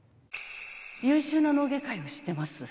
優秀な脳外科医を知ってます